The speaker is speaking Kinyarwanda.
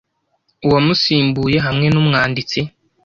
uwamusimbuye hamwe n umwanditsi